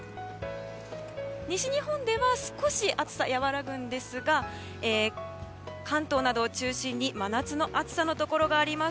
西日本では少し暑さが和らぐんですが関東などを中心に真夏の暑さのところがあります。